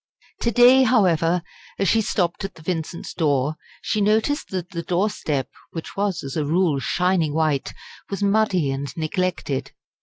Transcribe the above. To day, however, as she stopped at the Vincents' door, she noticed that the doorstep, which was as a rule shining white, was muddy and neglected.